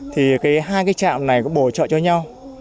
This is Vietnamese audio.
thì hai trạm này bổ trợ cho nhau